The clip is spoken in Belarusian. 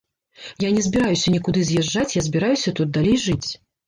Я не збіраюся нікуды з'язджаць, я збіраюся тут далей жыць.